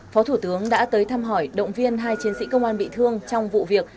phó thủ tướng đã tới thăm hỏi động viên hai chiến sĩ công an bị thương trong vụ việc